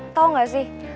tau gak sih